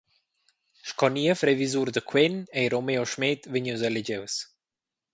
Sco niev revisur da quen ei Romeo Schmed vegnius eligius.